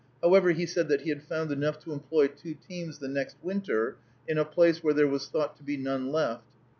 However, he said that he had found enough to employ two teams the next winter in a place where there was thought to be none left.